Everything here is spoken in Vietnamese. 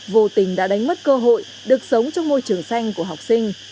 vô tình đã đánh mất cơ hội được sống trong môi trường xanh của học sinh